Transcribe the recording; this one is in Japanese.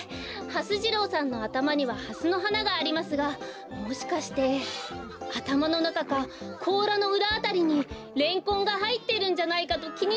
はす次郎さんのあたまにはハスのはながありますがもしかしてあたまのなかかこうらのうらあたりにレンコンがはいってるんじゃないかときになりまして。